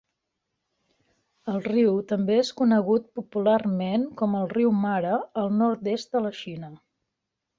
El riu també és conegut popularment com el "riu mare" al nord-est de la Xina.